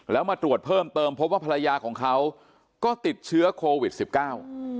แล้วมาตรวจเพิ่มเติมพบว่าภรรยาของเขาก็ติดเชื้อโควิดสิบเก้าอืม